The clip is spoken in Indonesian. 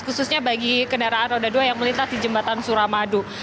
khususnya bagi kendaraan roda dua yang melintas di jembatan suramadu